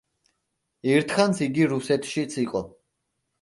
ერთხანს იგი რუსეთშიც იყო.